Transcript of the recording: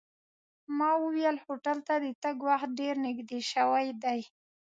ما وویل هوټل ته د تګ وخت ډېر نږدې شوی دی.